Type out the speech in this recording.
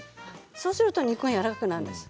そうすると肉がやわらかくなるんです。